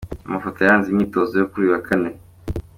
Amafoto yaranze imyitozo yo kuri uyu wa kane.